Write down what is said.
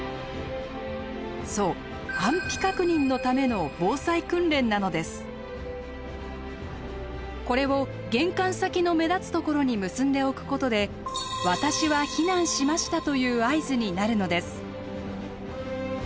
そうこれを玄関先の目立つところに結んでおくことで「私は避難しました」という合図になるのです。